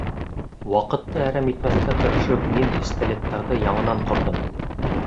Ваҡытты әрәм итмәҫкә тырышып, мин пистолеттарҙы яңынан ҡорҙом.